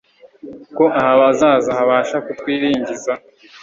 ko ahazaza habasha kutwiringiza